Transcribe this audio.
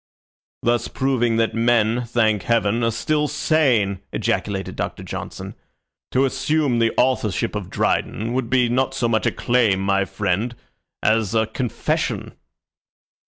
"Thus proving that men, thank Heaven, are still sane," ejaculated Doctor Johnson. "To assume the authorship of Dryden would be not so much a claim, my friend, as a confession."